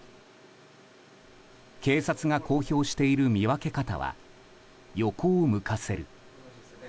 警察が公表している見分け方は横を向かせる。